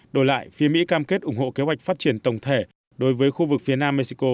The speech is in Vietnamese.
đổi lại phía mỹ cam kết ủng hộ kế hoạch phát triển tổng thể đối với khu vực phía nam mexico